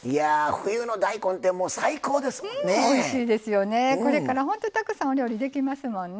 冬の大根って最高ですもんね。